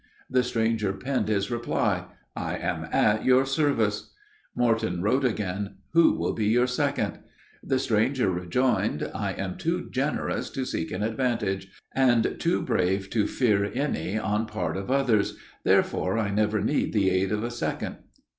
The stranger penned his reply: "I am at your service!" Morton wrote again: "Who will be your second?" The stranger rejoined: "I am too generous to seek an advantage; and too brave to fear any on part of others; therefore, I never need the aid of a second."